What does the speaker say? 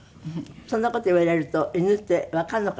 そんな事言われると犬ってわかるのかしら？